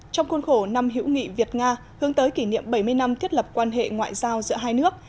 trong khuôn khổ năm hữu nghị việt nga hướng tới kỷ niệm bảy mươi năm thiết lập quan hệ ngoại giao giữa hai nước